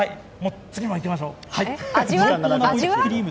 次もいきましょう！